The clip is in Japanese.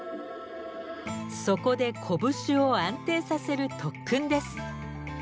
そこで拳を安定させる特訓です。